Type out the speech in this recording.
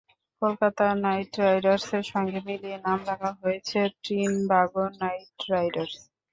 Kolkata Knight রাইডার্সের সঙ্গে মিলিয়ে নাম রাখা হয়েছে ত্রিনবাগো নাইট রাইডার্স।